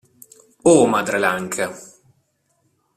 O Madre Lanka!